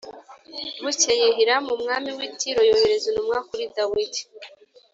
Bukeye Hiramu umwami w’i Tiro yohereza intumwa kuri Dawidi